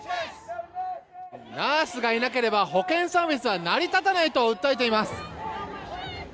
ナースがいなければ保健サービスは成り立たないと訴えています。